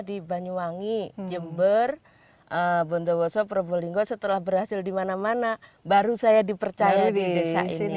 di banyuwangi jember bontowoso probolinggo setelah berhasil di mana mana baru saya dipercaya di desa ini